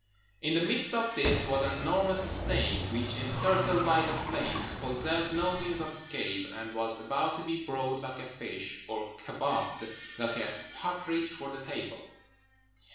In the midst of this was an enormous snake, which, encircled by the flames, possessed no means of escape, and was about to be broiled like a fish, or kabobed like a partridge for the table.